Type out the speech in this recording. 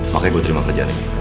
makanya gue terima kerjaan